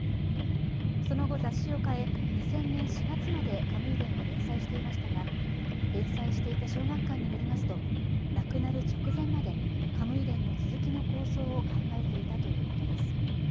その後、雑誌を変え２０００年４月まで「カムイ伝」を連載していましたが、連載していた小学館によりますと亡くなる直前まで「カムイ伝」の続きの構想を考えていたということです。